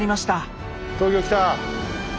東京来た！